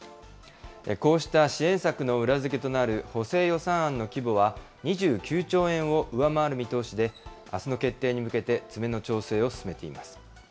こうした支援策の裏付けとなる補正予算案の規模は、２９兆円を上回る見通しで、あすの決定に向けて詰めの調整を進めています。